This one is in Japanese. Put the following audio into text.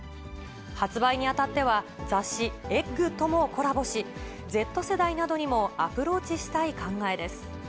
発売にあたっては、雑誌、ｅｇｇともコラボし、Ｚ世代などにもアプローチしたい考えです。